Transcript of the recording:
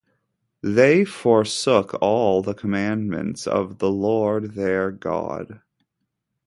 They forsook all the commandments of the Lord their God.